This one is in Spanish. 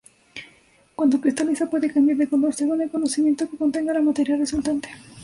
Cuando cristaliza puede cambiar de color, según el conocimiento que contenga la materia resultante.